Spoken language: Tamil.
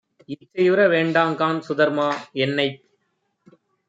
இச்சையுற வேண்டாங்காண் சுதர்மா. என்னைப்